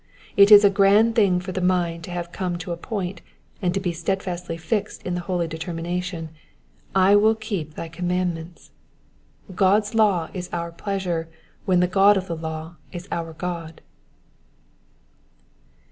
It is a grand thinff for the mind to have come to a point, and to be steadfastly fixed in the holy, determination, —'^ I will keep the commandments." God's law u our pleasure when the God of the law is our God.